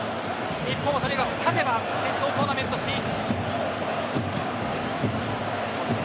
日本は、とにかく勝てば決勝トーナメント進出。